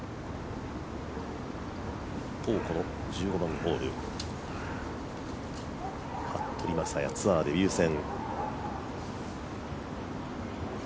一方１５番ホール、服部雅也、ツアーデビュー戦。